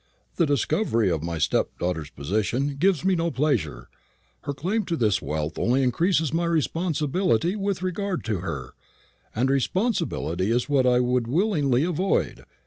"The discovery of my stepdaughter's position gives me no pleasure. Her claim to this wealth only increases my responsibility with regard to her, and responsibility is what I would willingly avoid.